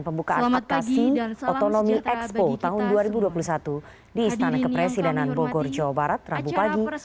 pembukaan fatkasi otonomi expo tahun dua ribu dua puluh satu di istana kepresidenan bogor jawa barat rabu pagi